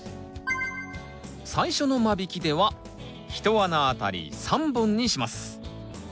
最初の間引きでは１穴あたり３本にします。